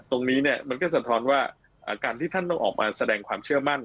ตรงนี้เนี่ยมันก็สะท้อนว่าการที่ท่านต้องออกมาแสดงความเชื่อมั่น